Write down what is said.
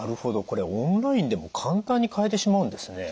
これオンラインでも簡単に買えてしまうんですね。